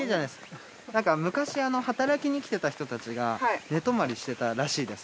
昔働きにきてた人たちが寝泊まりしてたらしいです。